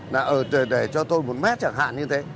là ở để cho tôi một mét chẳng hạn như thế